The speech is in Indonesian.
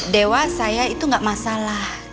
dewa saya itu nggak masalah